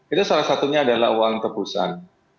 itu salah satunya adalah uang tebusan